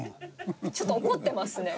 ちょっと怒ってますね。